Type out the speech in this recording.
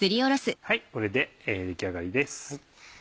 はいこれで出来上がりです。